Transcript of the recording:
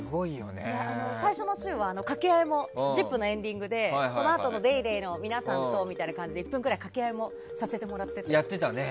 最初の週は掛け合いも「ＺＩＰ！」のエンディングでこのあとの「ＤａｙＤａｙ．」の皆さんとみたいな感じで１分くらい掛け合いもさせてもらってて。